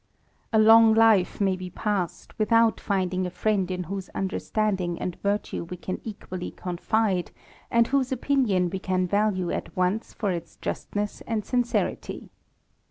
A long life may be passed without finding' a" friend in whose understanding and virtue we can equally confide, md whose opinion we can value at once for its justness and jincerity.